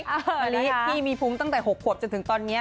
อันนี้พี่มีภูมิตั้งแต่๖ขวบจนถึงตอนนี้